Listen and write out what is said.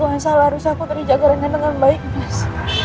aku yang salah harus aku terjaga anak dengan baik mas